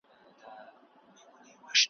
هر یو ټکی یې ګلګون دی نازوه مي `